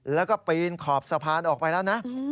แล้วก็ปีนขอบสะพานออกไปแล้วนะ